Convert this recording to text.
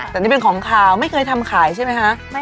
แต่นี่เป็นของขาวไม่เคยทำขายใช่ไหมคะ